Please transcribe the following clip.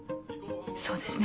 そうですね。